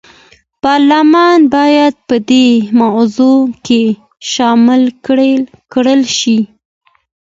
پارلمان باید په دې موضوع کې شامل کړل شي.